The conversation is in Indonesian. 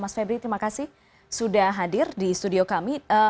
mas febri terima kasih sudah hadir di studio kami